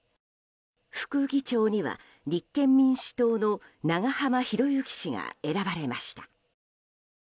副議長には、立憲民主党の長浜博行氏が選ばれました。